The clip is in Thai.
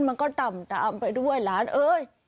มันก็ต่ำตามไปด้วยหลานเอ้ย